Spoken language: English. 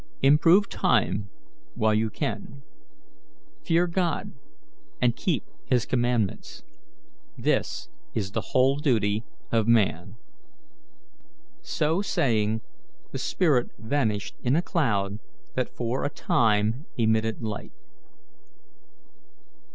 Improve time while you can. Fear God and keep His commandments. This is the whole duty of man." So saying, the spirit vanished in a cloud that for a time emitted light.